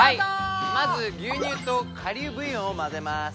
まず牛乳と顆粒ブイヨンを混ぜます。